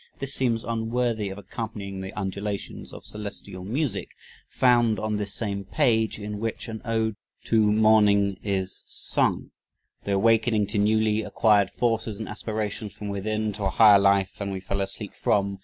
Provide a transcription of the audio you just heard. This seems unworthy of "accompanying the undulations of celestial music" found on this same page, in which an "ode to morning" is sung "the awakening to newly acquired forces and aspirations from within to a higher life than we fell asleep from